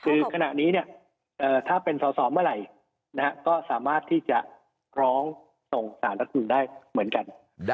คือขณะนี้ถ้าเป็นสอสอเมื่อไหร่ก็สามารถที่จะร้องส่งสารรัฐมนุนได้เหมือนกัน